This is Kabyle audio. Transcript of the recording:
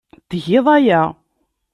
Tgiḍ aya.